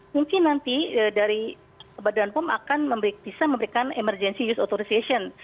mungkin nanti dari badan pom akan bisa memberikan emergency use authorization